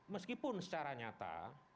meskipun secara nyata